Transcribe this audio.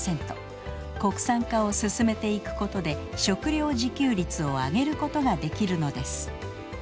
国産化を進めていくことで食料自給率を上げることができるのです。